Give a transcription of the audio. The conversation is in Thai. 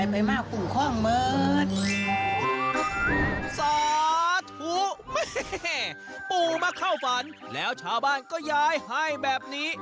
สาธุแม่ปู่มาเข้าฝันแล้วชาวบ้านก็ย้ายให้แบบนี้